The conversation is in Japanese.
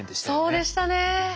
そうでしたね。